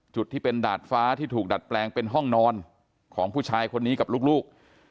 จุดที่เป็นดาดฟ้าที่ถูกดัดแปลงเป็นห้องนอนของผู้ชายคนนี้กับลูก